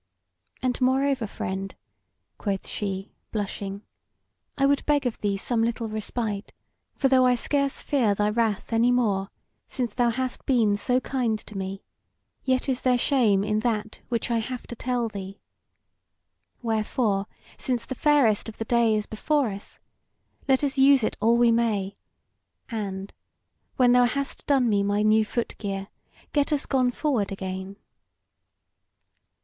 And moreover, friend," quoth she, blushing, "I would beg of thee some little respite; for though I scarce fear thy wrath any more, since thou hast been so kind to me, yet is there shame in that which I have to tell thee. Wherefore, since the fairest of the day is before us, let us use it all we may, and, when thou hast done me my new foot gear, get us gone forward again."